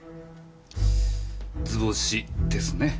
図星ですね。